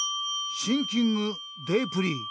シンキングデープリー。